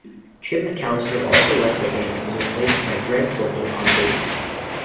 Jim McAllister also left the band and was replaced by Greg Courtney on bass.